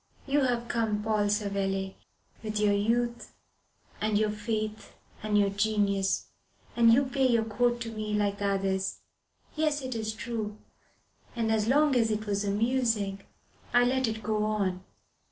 You have come, Paul Savelli, with your youth and your faith and your genius, and you pay your court to me like the others. Yes, it is true and as long as it was amusing, I let it go on.